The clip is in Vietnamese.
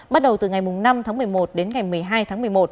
bắt đầu từ ngày năm tháng một mươi một đến ngày một mươi hai tháng một mươi một